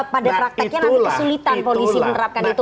pada prakteknya nanti kesulitan polisi menerapkan itu